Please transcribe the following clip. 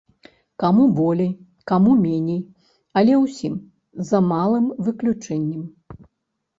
Каму болей, каму меней, але ўсім, за малым выключэннем.